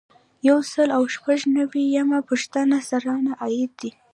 یو سل او شپږ نوي یمه پوښتنه سرانه عاید دی.